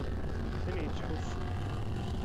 Tin yettḥusun.